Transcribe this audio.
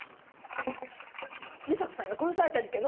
美沙子さんが殺された事件の捜査ね！？